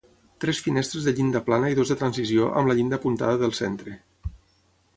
Tres finestres de llinda plana i dues de transició, amb la llinda apuntada del centre.